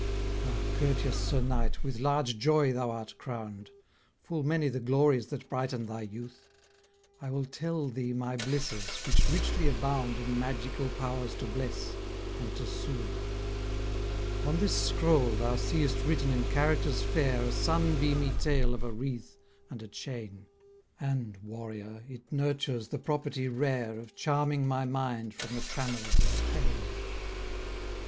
Ah! courteous Sir Knight, with large joy thou art crown'd; Full many the glories that brighten thy youth! I will tell thee my blisses, which richly abound In magical powers to bless, and to sooth. On this scroll thou seest written in characters fair A sun beamy tale of a wreath, and a chain; And, warrior, it nurtures the property rare Of charming my mind from the trammels of pain.